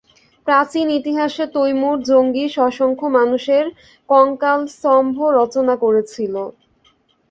প্রাচীন ইতিহাসে তৈমুর জঙ্গিস অসংখ্য মানুষের কঙ্কালস্তম্ভ রচনা করেছিল।